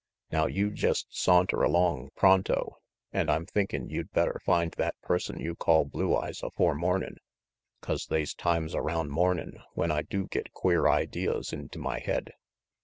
Now you jest saunter along pronto, an' I'm thinkin' you'd better find that person you call Blue Eyes afore mornin', 'cause they's times around mornin' when I do get queer ideas into my head.